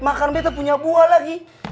makan beto punya buah lagi